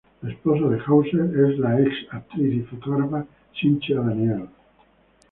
La esposa de Hauser es la ex actriz y fotógrafa Cynthia Daniel.